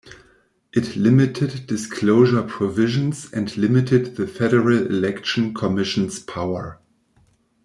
It limited disclosure provisions and limited the Federal Election Commission's power.